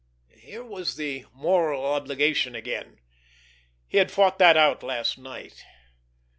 Here was the moral obligation again.... He had fought that out last night....